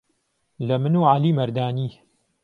له من و عهلی مهردانی